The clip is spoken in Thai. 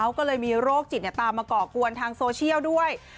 ก็เลยมีโรคจิตตามมาก่อกวนทางโซเชียลด้วย